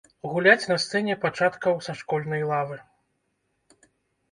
Гуляць на сцэне пачаткаў са школьнай лавы.